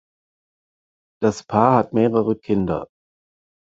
Das Paar hat mehrere Kinder.